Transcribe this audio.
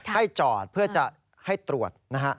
ให้จอดเพื่อจะให้ตรวจนะฮะ